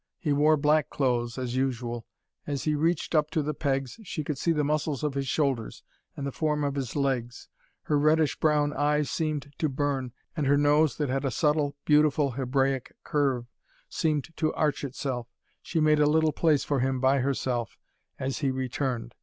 He wore black clothes, as usual. As he reached up to the pegs, she could see the muscles of his shoulders, and the form of his legs. Her reddish brown eyes seemed to burn, and her nose, that had a subtle, beautiful Hebraic curve, seemed to arch itself. She made a little place for him by herself, as he returned.